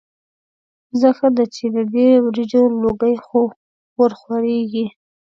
ځه ښه دی چې د دې وریجو لوګي خو ورخوريږي.